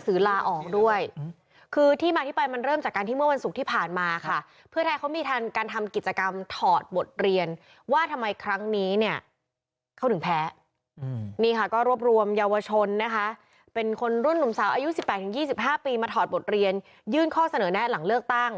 แต่ผมเชื่อว่ามั่นว่าแต่ละพักมีในใจอยู่แล้วล่ะ